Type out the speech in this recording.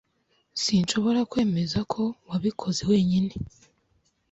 Sinshobora kwizera ko wabikoze wenyine